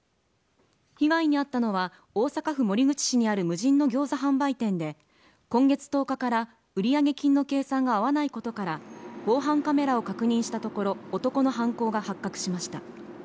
被害にあったのは大阪府守口市にある無人のギョーザ販売店で今月１０日から売上金の計算が合わないことから防犯カメラを確認したところ男の犯行が発覚しました。